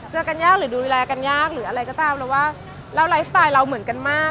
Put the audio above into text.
เจอกันยากหรือดูแลกันยากหรืออะไรก็ตามแล้วว่าแล้วไลฟ์สไตล์เราเหมือนกันมาก